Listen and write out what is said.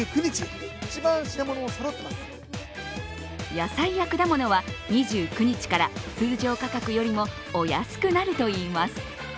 野菜や果物は２９日から通常価格よりもお安くなるといいます。